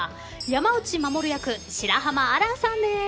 山内守役白濱亜嵐さんです。